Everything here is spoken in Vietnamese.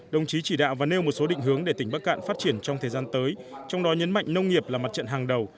đồng chí chỉ đạo và nêu một số định hướng để tỉnh bắc cạn phát triển trong thời gian tới trong đó nhấn mạnh nông nghiệp là mặt trận hàng đầu